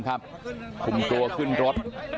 คุมตัวขึ้นรถ